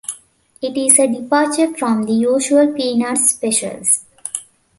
It is a departure from the usual "Peanuts" specials.